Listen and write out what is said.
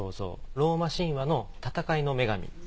ローマ神話の戦いの女神。